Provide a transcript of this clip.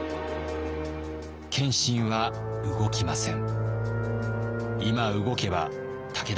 謙信は動きません。